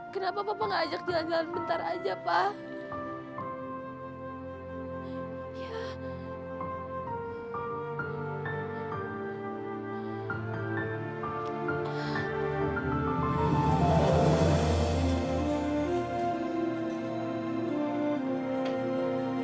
kenapa papa gak ajak jalan jalan bentar aja pak